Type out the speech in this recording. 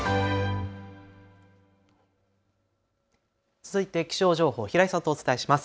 続いて気象情報、平井さんとお伝えします。